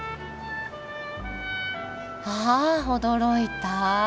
ああ驚いた。